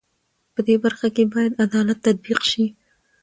په دې برخه کې بايد عدالت تطبيق شي.